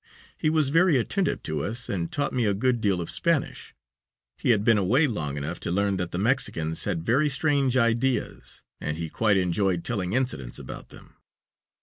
He was very attentive to us, and taught me a good deal of Spanish. He had been away long enough to learn that the Mexicans had very strange ideas, and he quite enjoyed telling incidents about them.